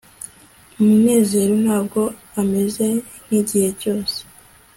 munezero ntabwo ameze nkigihe cyose